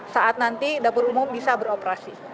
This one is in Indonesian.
saat nanti dapur umum bisa beroperasi